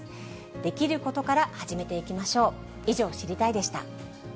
できることから始めていきましょう。